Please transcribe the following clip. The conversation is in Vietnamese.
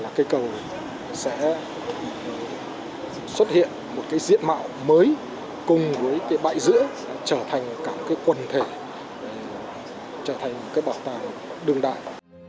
sự ủng hộ của các chính quyền của hà nội tôi nghĩ rằng là cây cầu sẽ xuất hiện một cái diện mạo mới cùng với cái bãi giữa trở thành cả một cái quần thể trở thành một cái bảo tàng đương đại